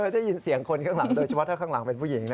ได้ยินเสียงคนข้างหลังโดยเฉพาะถ้าข้างหลังเป็นผู้หญิง